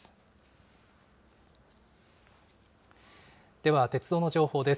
では、鉄道の情報です。